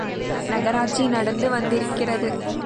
நகராட்சி நடந்து வந்திருக்கிறது!